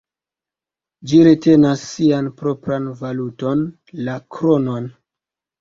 Ĝi retenas sian propran valuton, la kronon.